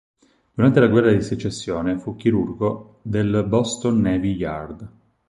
Durante la guerra di secessione fu chirurgo del Boston Navy Yard.